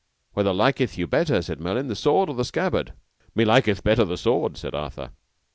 Whether liketh you better, said Merlin, the sword or the scabbard? Me liketh better the sword, said Arthur.